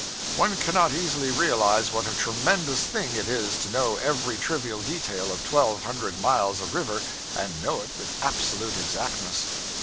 One cannot easily realize what a tremendous thing it is to know every trivial detail of twelve hundred miles of river and know it with absolute exactness.